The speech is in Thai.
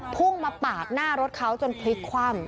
พุ่งมาปาดหน้ารถเขาจนพลิกคว่ำ